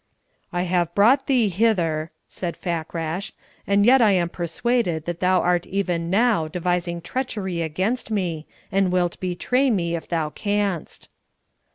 "I have brought thee hither," said Fakrash, "and yet I am persuaded that thou art even now devising treachery against me, and wilt betray me if thou canst."